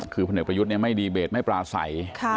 คือพลเอกประยุทธ์ไม่ดีเบตไม่ปลาใส